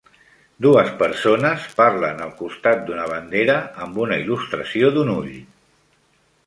Dues persones parlen al costat d'una bandera amb una il·lustració d'un ull.